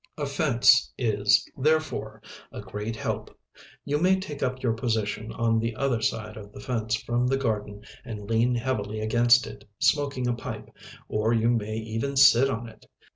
A fence is, therefore, a great help. You may take up your position on the other side of the fence from the garden and lean heavily against it smoking a pipe, or you may even sit on it.